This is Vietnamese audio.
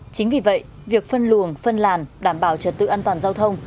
chính vì vậy việc phân luồng phân làn đảm bảo trật tự an toàn giao thông